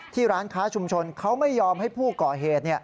ร้านค้าชุมชนเขาไม่ยอมให้ผู้ก่อเหตุ